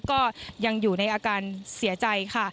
ก็ยังอยู่ในอาการเสียใจค่ะ